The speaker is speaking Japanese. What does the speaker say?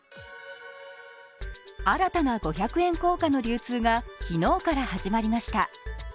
新たな五百円硬貨の流通が昨日から始まりました。